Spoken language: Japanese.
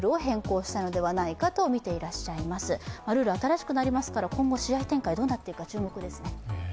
ルール、新しくなりますから、今後、試合展開がどうなっていくか、楽しみですね。